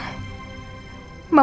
tenang elsa tenang